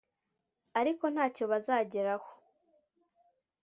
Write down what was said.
ariko nta cyo bazageraho.